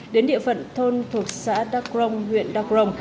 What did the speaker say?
đến địa phận thôn thuộc xã đà công huyện đà công